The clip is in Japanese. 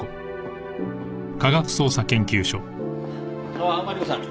あっマリコさん。